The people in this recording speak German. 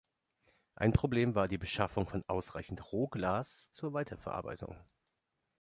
Ein Problem war die Beschaffung von ausreichend Rohglas zur Weiterverarbeitung.